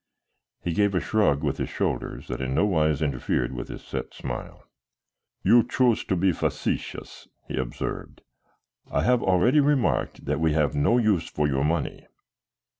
He gave a shrug with his shoulders that in no wise interfered with his set smile. "You choose to be facetious," he observed. "I have already remarked that we have no use for your money.